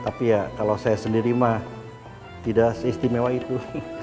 tapi ya kalau saya sendiri mah tidak seistimewa itu